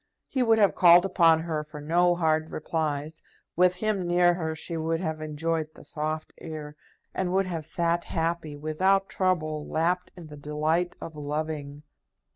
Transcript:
He would have called upon her for no hard replies. With him near her she would have enjoyed the soft air, and would have sat happy, without trouble, lapped in the delight of loving.